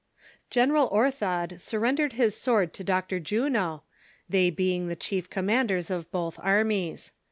General Orthod surrendered his sword to Dr. Juno, they being the chief commanders of both armies.